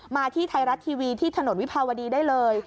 มาที่ไทยรัฐทีวีที่ถนนวิภาวดีได้เลย